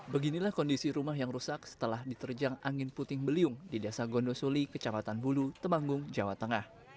beginilah kondisi rumah yang rusak setelah diterjang angin puting beliung di desa gondosuli kecamatan bulu temanggung jawa tengah